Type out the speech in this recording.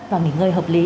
và nghỉ ngơi hợp lý